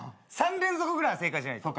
３連続ぐらい正解しないと。